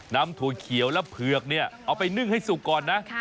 ถั่วเขียวและเผือกเนี่ยเอาไปนึ่งให้สุกก่อนนะ